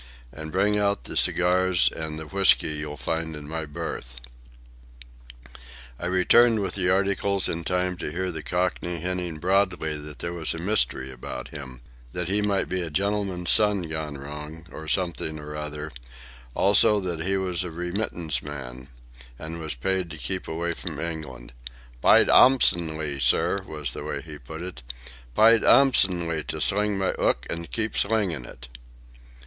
"And bring out the cigars and the whisky you'll find in my berth." I returned with the articles in time to hear the Cockney hinting broadly that there was a mystery about him, that he might be a gentleman's son gone wrong or something or other; also, that he was a remittance man and was paid to keep away from England—"p'yed 'ansomely, sir," was the way he put it; "p'yed 'ansomely to sling my 'ook an' keep slingin' it."